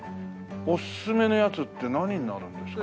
おすすめのやつって何になるんですか？